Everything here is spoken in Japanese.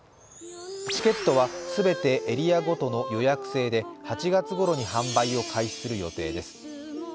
チケットは全てエリアごとの予約制で８月ごろに販売を開始する予定です